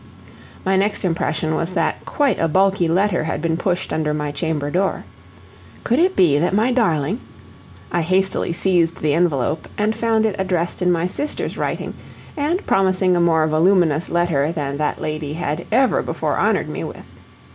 My next impression was that quite a bulky letter had been pushed under my chamber door. Could it be that my darling I hastily seized the envelope and found it addressed in my sister's writing, and promising a more voluminous letter than that lady had ever before honored me with.